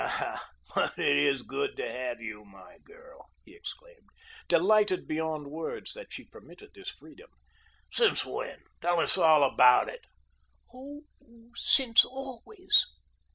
"Ah, but it is good to have you, my girl," he exclaimed, delighted beyond words that she permitted this freedom. "Since when? Tell us all about it." "Oh, since always.